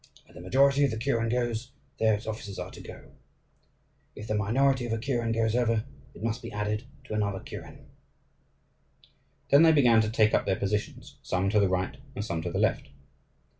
Where the majority of a kuren goes there its officers are to go: if the minority of a kuren goes over, it must be added to another kuren." Then they began to take up their positions, some to the right and some to the left.